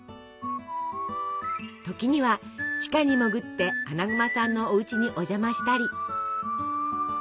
時には地下に潜ってアナグマさんのおうちにお邪魔したり。